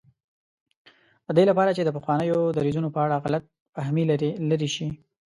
د دې لپاره چې د پخوانیو دریځونو په اړه غلط فهمي لرې شي.